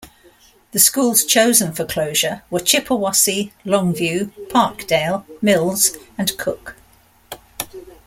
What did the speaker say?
The schools chosen for closure were Chippewassee, Longview, Parkdale, Mills and Cook.